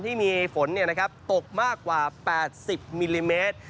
ที่มีฝนตกมากกว่า๘๐มิลลิเมตร